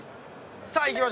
さあ行きましょう。